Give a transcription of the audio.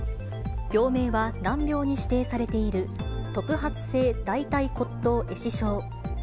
病名は難病に指定されている特発性大腿骨頭壊死症。